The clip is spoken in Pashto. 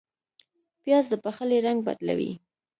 پیاز د پخلي رنګ بدلوي